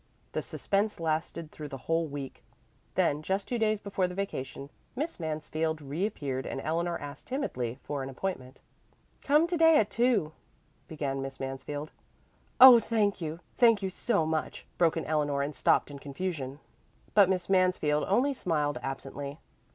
The suspense lasted through the whole week. Then, just two days before the vacation, Miss Mansfield reappeared and Eleanor asked timidly for an appointment. "Come to day at two," began Miss Mansfield. "Oh thank you! Thank you so much!" broke in Eleanor and stopped in confusion. But Miss Mansfield only smiled absently.